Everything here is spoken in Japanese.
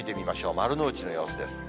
丸の内の様子です。